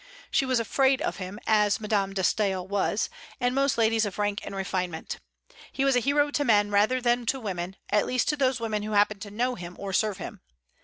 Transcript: She was afraid of him, as Madame de Staël was, and most ladies of rank and refinement. He was a hero to men rather than to women, at least to those women who happened to know him or serve him.